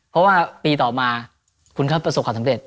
เพราะว่าปีต่อมาคุณก็ประสบความสำเร็จ